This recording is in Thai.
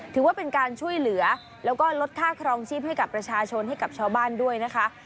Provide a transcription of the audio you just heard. ถือว่าเป็นการช่วยเหลือแล้วก็ลดค่าครองชีพให้กับประชาชนให้กับชาวบ้านด้วยนะคะ